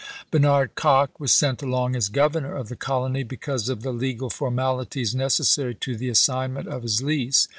Bernard Kock was sent along as governor of the colony, because of the legal formalities necessary to the assignment of his lease.